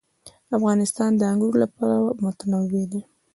افغانستان د انګور له پلوه متنوع دی.